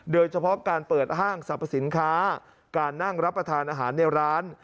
โดยเฉพาะการเปิดห้างสรรพสินค้าการนั่งรับประทานอาหารในร้าน